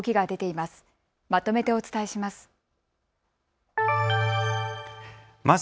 まとめてお伝えします。